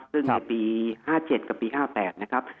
ซึ่งในปี๕๗กับปี๕๘นะครับ